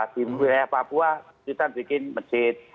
di wilayah papua kita bikin masjid